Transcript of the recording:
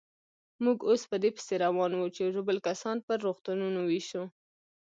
موږ اوس په دې پسې روان وو چې ژوبل کسان پر روغتونو وېشو.